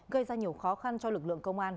gây ra nhiều khó khăn cho lực lượng công an